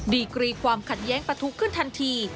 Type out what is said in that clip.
ดีกรีความขัดแย้งประทุขึ้นทันที